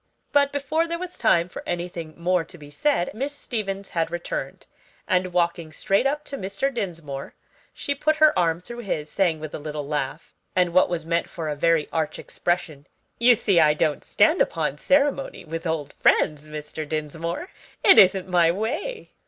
But before there was time for anything more to be said Miss Stevens had returned, and walking straight up to Mr. Dinsmore, she put her arm through his, saying with a little laugh, and what was meant for a very arch expression, "You see I don't stand upon ceremony with old friends, Mr. Dinsmore. It isn't my way."